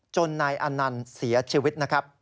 จนนายอันนันทร์เสียชีวิต